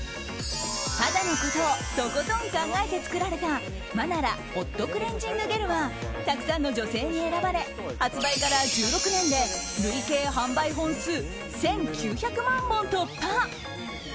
肌のことをとことん考えて作られたマナラホットクレンジングゲルはたくさんの女性に選ばれ発売から１６年で累計販売本数１９００万本突破。